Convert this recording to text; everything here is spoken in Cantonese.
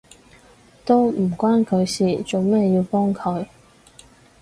都唔關佢事，做乜要幫佢？